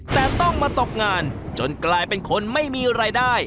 แต่ต้องมาตกงานจนกลายเป็นคนไม่มีรายได้